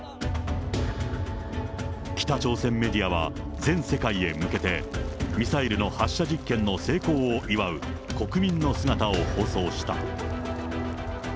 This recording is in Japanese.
北朝鮮メディアは全世界へ向けて、ミサイルの発射実験の成功を祝う国民の姿を放送した。